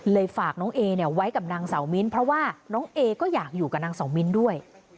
ฝากน้องเอเนี่ยไว้กับนางสาวมิ้นเพราะว่าน้องเอก็อยากอยู่กับนางเสามิ้นด้วย